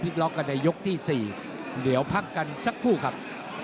ล็อกกันในยกที่๔เดี๋ยวพักกันสักครู่ครับ